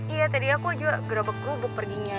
iya tadi aku juga gerbek gerubuk perginya ya